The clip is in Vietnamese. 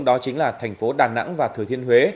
đó chính là thành phố đà nẵng và thừa thiên huế